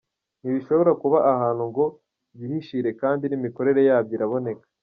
Ntibishobora kuba ahantu ngo byihishire kandi n’imikorere yabyo iraboneka.